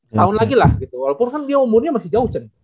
setahun lagi lah gitu walaupun kan dia umurnya masih jauh